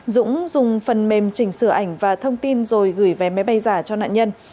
dũng dùng phần mềm chỉnh sửa ảnh và thông tin rồi gửi về máy bay giả cho nạn nhân